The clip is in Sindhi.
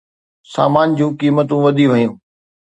سامان جون قيمتون وڌي ويون